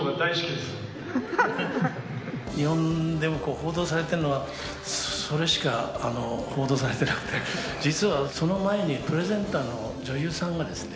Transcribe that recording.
日本でも報道されてるのが、それしか報道されてなくて、実はその前に、プレゼンターの女優さんがですね、